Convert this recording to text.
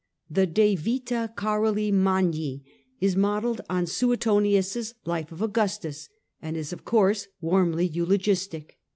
The De Vita Caroli Magni is modelled on Suetonius' life of Augustus, «nd is of course warmly eulogistic.